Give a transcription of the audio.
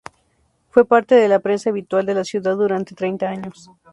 Fue parte de la prensa habitual de la ciudad durante treinta años.